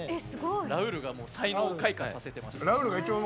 ラウールが才能を開花させてました。